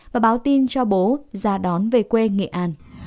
và báo tin cho bố ra đón về quê nghệ an